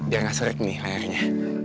dia gak serik nih layarnya